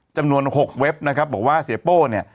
จำนวน๖เว็บนะครับบอกว่าเสียโป้เนี่ย